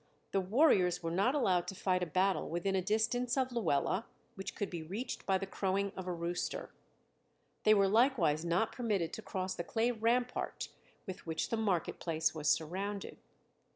The warriors were not allowed to fight a battle within a distance of Luela which could be reached by the crowing of a rooster. They were likewise not permitted to cross the clay rampart with which the market place was surrounded.